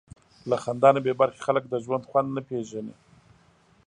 له خندا نه بېبرخې خلک د ژوند خوند نه پېژني.